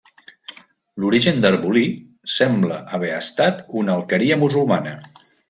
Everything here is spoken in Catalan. L'origen d'Arbolí sembla haver estat una alqueria musulmana.